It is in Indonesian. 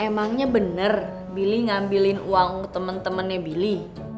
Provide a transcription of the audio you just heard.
emangnya bener billy ngambilin uang temen temennya billy